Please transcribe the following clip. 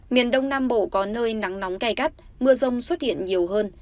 miền đông nam bộ có nơi nắng nóng cay cắt mưa rông xuất hiện nhiều hơn